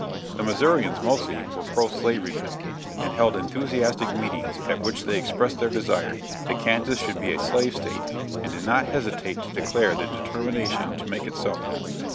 The Missourians, mostly, were pro slavery men, and held enthusiastic meetings at which they expressed their desire that Kansas should be a slave state and did not hesitate to declare their determination to make it so.